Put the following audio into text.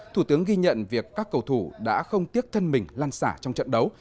thủ tướng ghi nhận việc các cầu thủ đã không tiếc thân mình lan xả trong trận đấu